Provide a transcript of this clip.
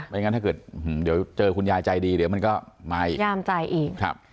ไม่งั้นถ้าเกิดเดี๋ยวเจอคุณยายใจดีเดี๋ยวมันก็มาอีกย่ามใจอีก